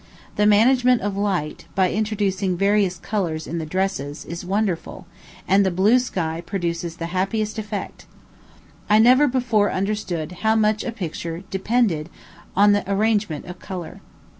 The management of light, by introducing various colors in the dresses, is wonderful, and the blue sky produces the happiest effect. I never before understood how much a picture depended on the arrangement of color.